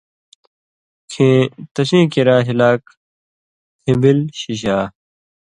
کھیں تسیں کریا ہِلاک پِھݩبِل شِشا